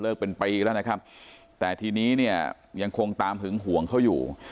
เป็นปีแล้วนะครับแต่ทีนี้เนี่ยยังคงตามหึงห่วงเขาอยู่